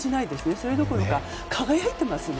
それどころか輝いていますね。